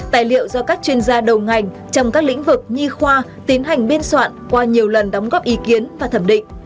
tài liệu do các chuyên gia đầu ngành trong các lĩnh vực nhi khoa tiến hành biên soạn qua nhiều lần đóng góp ý kiến và thẩm định